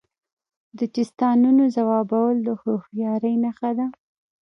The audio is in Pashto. د چیستانونو ځوابول د هوښیارۍ نښه ده.